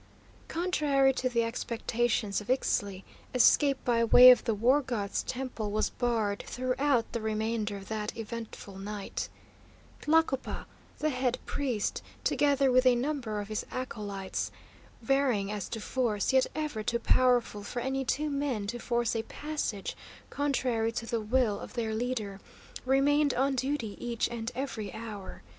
Contrary to the expectations of Ixtli escape by way of the War God's temple was barred throughout the remainder of that eventful night. Tlacopa, the head priest, together with a number of his acolytes, varying as to force, yet ever too powerful for any two men to force a passage contrary to the will of their leader, remained on duty each and every hour.